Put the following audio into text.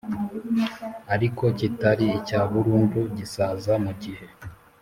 Ariko kitari icya burundu gisaza mu gihe